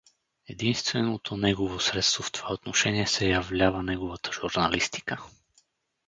Единственото негово средство в това отношение се являва неговата журналистика.